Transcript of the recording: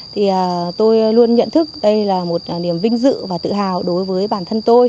thì tôi luôn nhận thức đây là một niềm vinh dự và tự hào đối với bản thân tôi